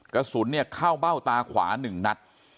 กระสุนเนี่ยเข้าเบ้าตาขวา๑นัด